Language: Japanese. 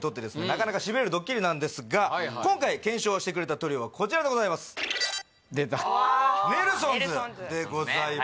なかなかしびれるドッキリなんですが今回検証してくれたトリオはこちらでございます出たネルソンズでございます